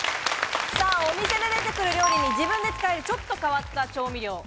お店で出てくる料理に自分で使えるちょっと変わった調味料。